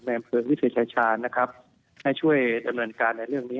แมมเพลิงวิทยาชาญนะครับให้ช่วยดำเนินการในเรื่องนี้